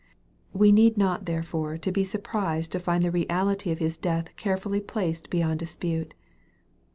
We need not therefore to be surprised to find the reality of His death carefully placed beyond dispute.